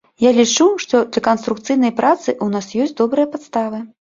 Я лічу, што для канструкцыйнай працы у нас ёсць добрыя падставы.